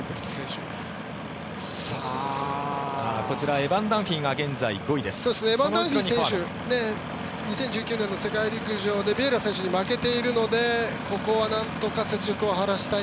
エバン・ダンフィー選手は２０１９年の世界陸上でビエイラ選手に負けているので、ここはなんとか雪辱を果たしたい。